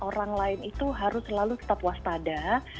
orang lain itu harus selalu tetap waspada